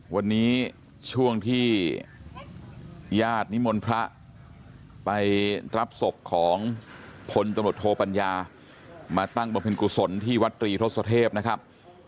วันนี้ช่วงที่ญาตินิมนต์พระไปรับศพของพลตำรวจโทปัญญามาตั้งบำเพ็ญกุศลที่วัดตรีทศเทพนะครับ